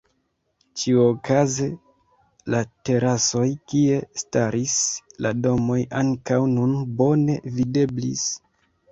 Ĉiuokaze la terasoj kie staris la domoj ankaŭ nun bone videblis.